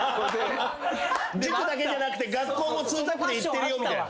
塾だけじゃなくて学校も２タックで行ってるよみたいな。